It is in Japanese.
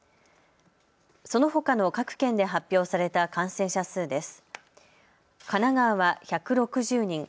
そのほかの各県で発表された感染者数です。